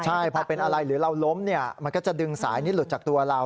ใช่พอเป็นอะไรหรือเราล้มเนี่ยมันก็จะดึงสายนี้หลุดจากตัวเรา